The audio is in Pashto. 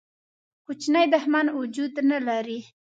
کوچنی دښمن وجود نه لري.